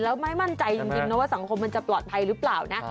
แล้วไม่มั่นใจจริงนะว่าสังคมมันจะปลอดภัยหรือเปล่านะ